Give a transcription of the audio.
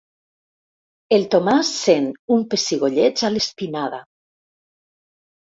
El Tomàs sent un pessigolleig a l'espinada.